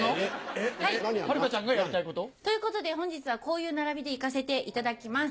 はるかちゃんがやりたいこと？ということで本日はこういう並びで行かせていただきます。